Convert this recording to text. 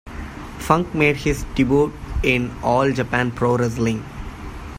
Funk made his debut in All Japan Pro Wrestling.